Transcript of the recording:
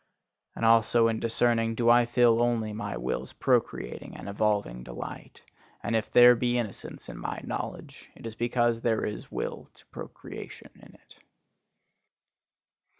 And also in discerning do I feel only my will's procreating and evolving delight; and if there be innocence in my knowledge, it is because there is will to procreation in it.